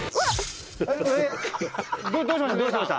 「どうしました？」